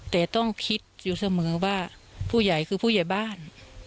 แต่ต้องคิดอยู่เสมอว่าผู้ใหญ่คือผู้ใหญ่บ้าน